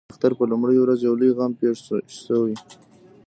د اختر پر لومړۍ ورځ یو لوی غم پېښ شوی.